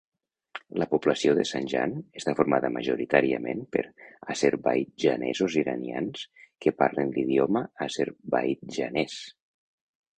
La població de Zanjan està formada majoritàriament per azerbaidjanesos iranians que parlen l'idioma azerbaidjanès.